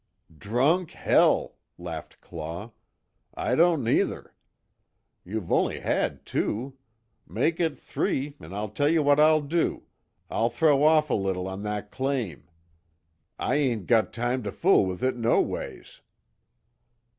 "Drunk, hell!" laughed Claw, "I don't nuther. You've only had two. Make it three, an' I'll tell you what I'll do, I'll throw off a leetle on that claim. I ain't got time to fool with it, noways."